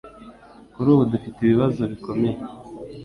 Kuri ubu dufite ibibazo bikomeye